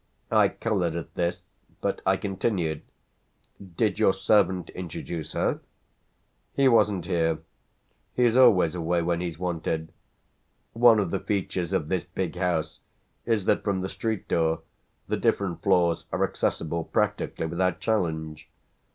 I coloured at this, but I continued: "Did your servant introduce her?" "He wasn't here he's always away when he's wanted. One of the features of this big house is that from the street door the different floors are accessible practically without challenge.